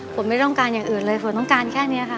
ไม่ต้องการอย่างอื่นเลยฝนต้องการแค่นี้ค่ะ